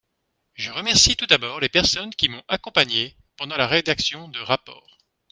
Je remercie tout d’abord les personnes qui m’ont accompagnée pendant la rédaction de rapport.